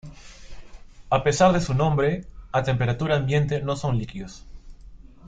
A pesar de su nombre, a temperatura ambiente no son líquidos.